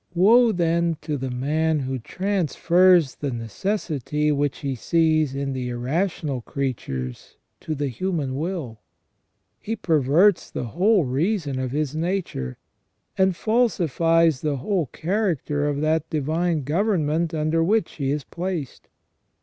Woe, then, to the man who transfers the necessity which he sees in the irrational creatures to the human will. He perverts the whole reason of his nature, and falsifies the whole character of that divine government under which he is placed.